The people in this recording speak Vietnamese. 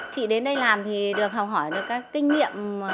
chị đến đây làm thì được học hỏi được các kinh nghiệm